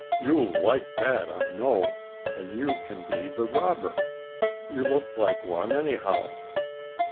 You'll like that, I know. And you can be the robber. You look like one, anyhow."